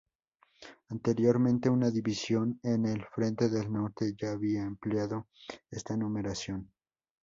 Anteriormente una división en el frente del Norte ya había empleado esta numeración.